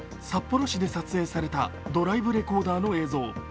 札幌市で撮影されたドライブレコーダーの映像。